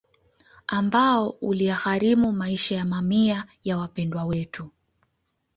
Ambao uliyagharimu maisha ya mamia ya Wapendwa Wetu